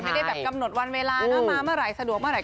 ไม่ได้แบบกำหนดวันเวลานะมาเมื่อไหร่สะดวกเมื่อไห